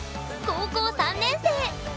高校３年生！